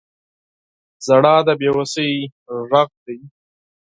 • ژړا د بې وسۍ غږ دی.